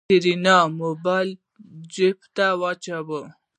سېرېنا موبايل جېب ته واچوه.